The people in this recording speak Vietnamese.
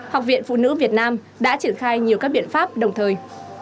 học viện phụ nữ việt nam đã triển khai nhiều các biện pháp đồng thời